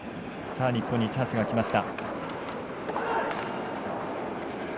日本にチャンスがきました。